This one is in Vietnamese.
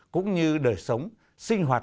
cũng như đời sống sinh hoạt